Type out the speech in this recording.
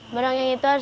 menongeng itu menarik